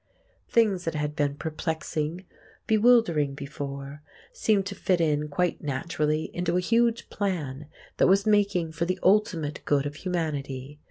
Things that had been perplexing, bewildering before, seemed to fit in quite naturally into a huge plan that was making for the ultimate good of humanity.